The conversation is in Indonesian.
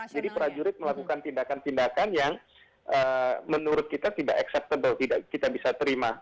jadi prajurit melakukan tindakan tindakan yang menurut kita tidak acceptable tidak kita bisa terima